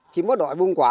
chỉ mới đòi buông quả